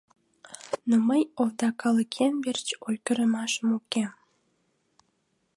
— Но мый овда калыкем верч ойгырымашем уке.